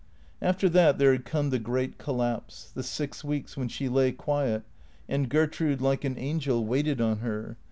After that there had come the great collapse, the six weeks when she lay quiet and Gertrude, like an angel, waited on her.